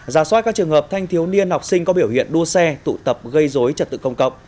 giả soát các trường hợp thanh thiếu niên học sinh có biểu hiện đua xe tụ tập gây dối trật tự công cộng